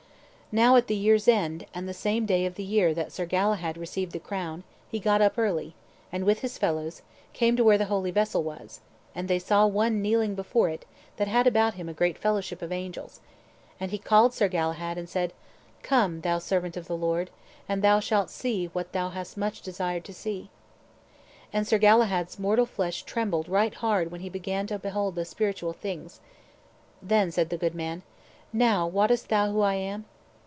Now at the year's end, and the same day of the year that Sir Galahad received the crown, he got up early, and, with his fellows, came to where the holy vessel was; and they saw one kneeling before it that had about him a great fellowship of angels; and he called Sir Galahad, and said, "Come, thou servant of the Lord, and thou shalt see what thou hast much desired to see." And Sir Galahad's mortal flesh trembled right hard when he began to behold the spiritual things. Then said the good man, "Now wottest thou who I am?"